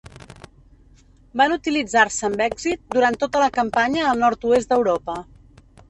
Van utilitzar-se amb èxit durant tota la campanya al nord-oest d'Europa.